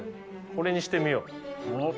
これにしてみよう。